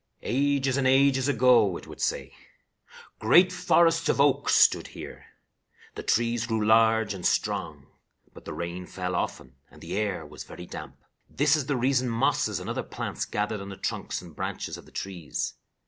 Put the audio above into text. "Ages and ages ago," it would say, "great forests of oak stood here. The trees grew large and strong. But the rain fell often and the air was very damp. This is the reason mosses and other plants gathered on the trunks and branches of the trees.